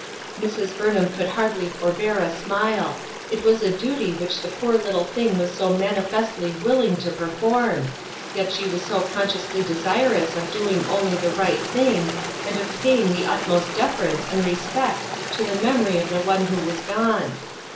Mrs. Burnham could hardly forbear a smile. It was a duty which the poor little thing was so manifestly willing to perform ; yet she was so con scientiously desirous of doing only the right thing, and of paying the utmost deference and respect to the memory of the one who was gone.